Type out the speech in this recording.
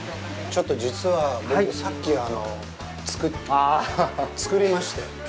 ちょっと、実は、僕、さっき、作りまして。